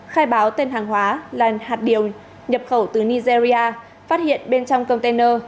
khai báo tên hàng hóa là hạt điều nhập khẩu từ nigeria phát hiện bên trong container